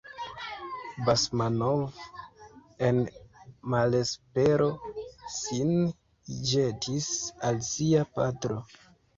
Basmanov en malespero sin ĵetis al sia patro.